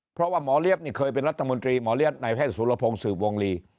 เพราะว่าหมอเลี้ยบนี่เคยเป็นรัฐมนตรีหมอเลี้ยนายแพทย์สุรพงศ์สืบวงลี